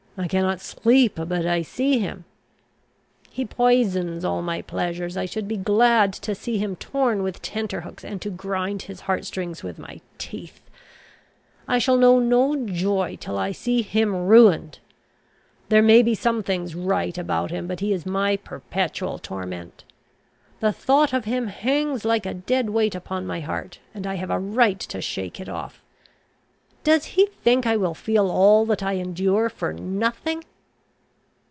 I cannot sleep but I see him. He poisons all my pleasures. I should be glad to see him torn with tenter hooks, and to grind his heart strings with my teeth. I shall know no joy till I see him ruined. There may be some things right about him; but he is my perpetual torment. The thought of him hangs like a dead weight upon my heart, and I have a right to shake it off. Does he think I will feel all that I endure for nothing?"